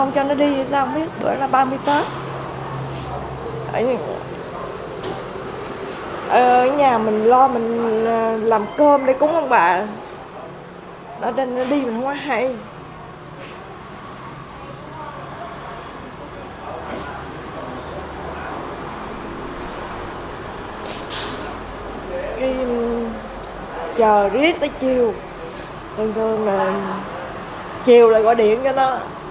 chờ riết tới chiều thường thường là chiều là gọi điện cho nó